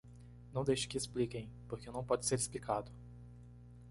Não deixe que expliquem, porque não pode ser explicado!